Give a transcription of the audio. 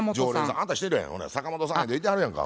あんた知ってるやん坂本さんゆうのいてはるやんか。